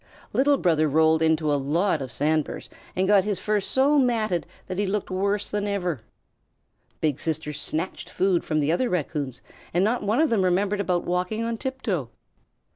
Little Brother rolled into a lot of sand burrs and got his fur so matted that he looked worse than ever. Big Sister snatched food from other Raccoons, and not one of them remembered about walking on tiptoe.